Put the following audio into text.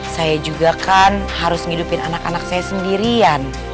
saya juga kan harus ngidupin anak anak saya sendirian